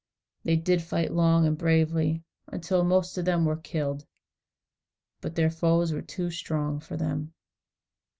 They did fight long and bravely, until most of them were killed, but their foes were too strong for them.